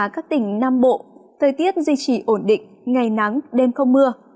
các tỉnh nam bộ thời tiết duy trì ổn định ngày nắng đêm không mưa